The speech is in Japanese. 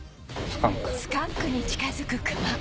スカンクに近づくクマ